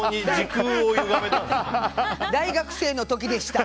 大学生の時でした！